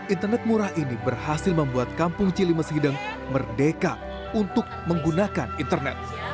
internet murah ini berhasil membuat kampung cilimes hideng merdeka untuk menggunakan internet